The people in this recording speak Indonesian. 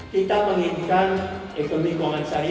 kita menginginkan ekonomi keuangan syariah